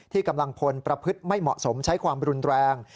กำลังพลประพฤติไม่เหมาะสมใช้ความรุนแรง